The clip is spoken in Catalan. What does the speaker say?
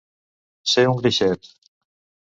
Ser un greixet.